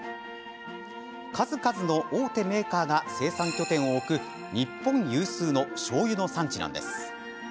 数々の大手メーカーが生産拠点を置く、日本有数のしょうゆの産地なんです。